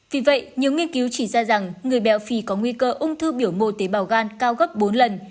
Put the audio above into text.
vì vậy nhiều nghiên cứu chỉ ra rằng người béo phì có nguy cơ ung thư biểu mô tế bào gan cao gấp bốn lần